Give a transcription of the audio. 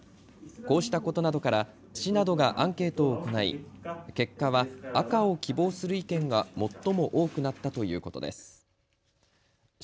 こうしたことなどから市などがアンケートを行い結果は赤を希望する意見が最も多くなったということです。